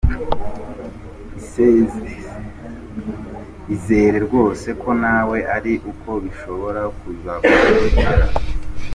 Izere rwose ko nawe ari uko bishobora kuzakugendekera.